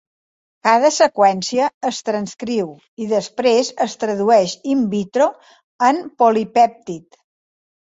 Cada seqüència es transcriu i després es tradueix "in vitro" en polipèptid.